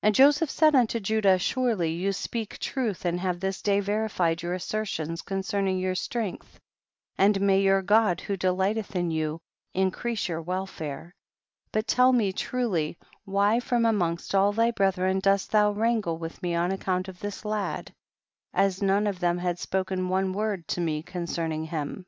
56. And Joseph said unto Judah, surely you speak truth and have this day verified your assertions con cerning your strength, and may your God who delightelTi in you, increase your welfare ; but tell me truly why from amongst all thy brethren dost thou wrangle with me on account of the lad, as none of them had spoken one word to me concerning him.